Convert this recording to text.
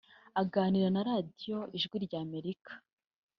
Aganira na Radio ijwi rya Amerika